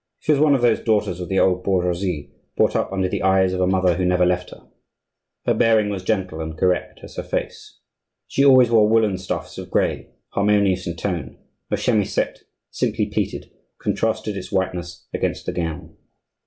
She was one of those daughters of the old bourgeoisie brought up under the eyes of a mother who never left her. Her bearing was gentle and correct as her face; she always wore woollen stuffs of gray, harmonious in tone; her chemisette, simply pleated, contrasted its whiteness against the gown.